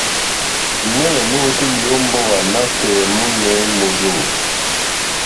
Ŋwéyò mówǒtélì ó mbówà nǎtɛ̀ɛ̀ mɔ́nɛ̀yí mórzô.